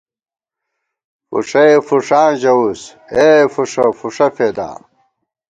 فُݭَئے فُوݭاں ژَوُس، اے فُوݭہ، فُوݭہ فېدا